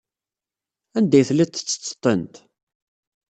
Anda ay telliḍ tettetteḍ-tent?